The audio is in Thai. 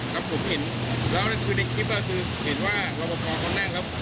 ครับผมเห็นแล้วคือในคลิปน่ะคือเห็นว่ารับประกอบเขานั่งครับ